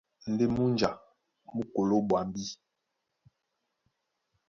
Ndé múnja mú koló ɓwambí.